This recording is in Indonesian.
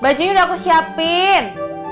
bajunya udah aku siapin